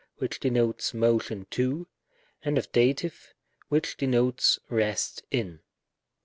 which denotes motion to ; and of Dat., which denotes rest in.